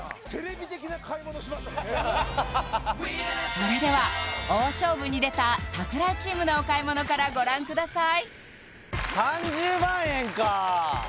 それでは大勝負に出た櫻井チームのお買い物からご覧ください